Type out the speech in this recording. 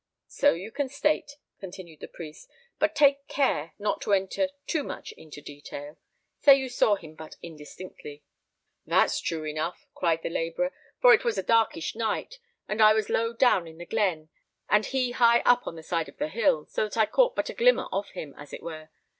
"So you can state," continued the priest; "but take care not to enter too much into detail. Say you saw him but indistinctly." "That's true enough," cried the labourer; "for it was a darkish night, and I was low down in the glen and he high up on the side of the hill, so that I caught but a glimmer of him, as it were.